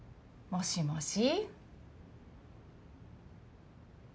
もしもし？